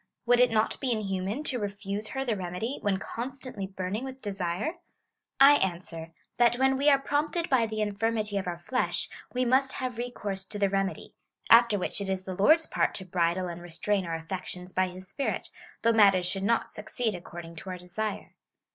Would it not be inhuman to refuse her the remedy, when constantly burning with desire ? I answer, that when we are jsrompted by the infirmity of our flesh, we must have recourse to the remedy ; after which it is the Lord's part to bridle and restrain our affections by his Spirit, though mat ters should not succeed according to our desire.